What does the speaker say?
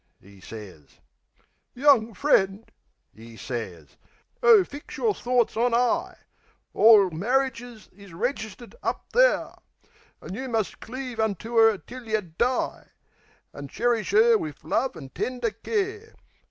'e sez. "Young friend," 'e sez. "Oh fix yer thorts on 'igh! Orl marridges is registered up there! An' you must cleave unto 'er till yeh die, An' cherish 'er wiv love an' tender care.